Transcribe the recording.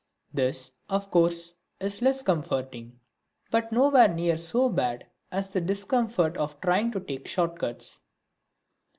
This, of course, is less comforting; but nowhere near so bad as the discomfort of trying to take shortcuts.